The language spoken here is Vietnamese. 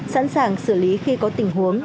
sẵn sàng xử lý khi có tình huống